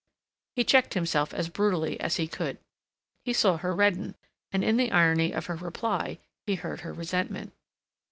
He checked himself as brutally as he could. He saw her redden, and in the irony of her reply he heard her resentment.